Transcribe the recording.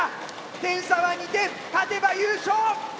点差は２点勝てば優勝！